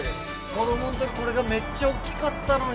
子供んとき、これがめっちゃ大きかったのに。